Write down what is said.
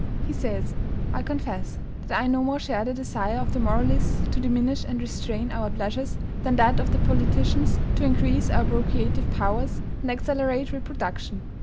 He says: "I confess that I no more share the desire of the moralists to diminish and restrain our pleasures, than that of the politicians to increase our procreative powers, and accelerate reproduction."